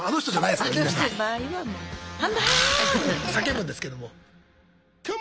叫ぶんですけども。